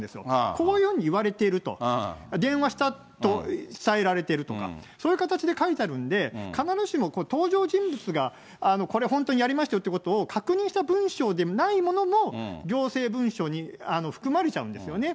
こういうようにいわれていると、電話したと伝えられているとか、そういう形で書いてるんで、必ずしも登場人物がこれ本当にやりましたよということを確認した文書でないものも、行政文書に含まれちゃうんですよね。